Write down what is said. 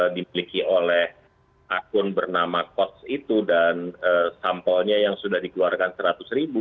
dimiliki oleh akun bernama kos itu dan sampelnya yang sudah dikeluarkan seratus ribu